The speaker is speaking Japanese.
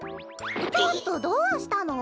ちょっとどうしたの？